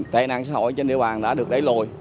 tên an xã hội trên địa bàn đã được đẩy lồi